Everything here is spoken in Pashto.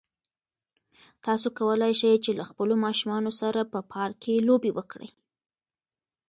تاسو کولای شئ چې له خپلو ماشومانو سره په پارک کې لوبې وکړئ.